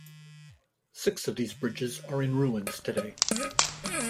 Six of these bridges are in ruins today.